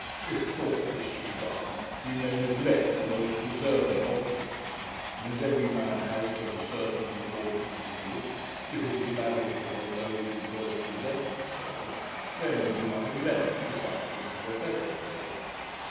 'If thoughtlessly done, we may neglect the most deserving objects; and, as every man has but a certain proportion to give, if it is lavished upon those who first present themselves, there may be nothing left for such as have a better claim.